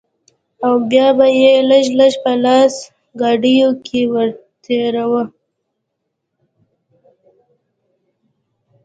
او بيا به يې لږ لږ په لاسي ګاډيو کښې ورتېراوه.